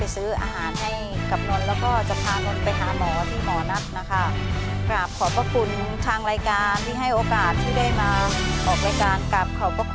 สวัสดีครับ